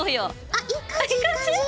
あいい感じ！いい感じ？